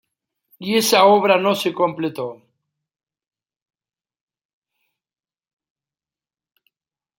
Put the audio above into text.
Y esa obra no se completó.